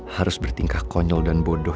harus bertingkah konyol dan bodoh